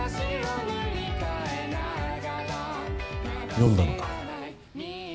読んだのか？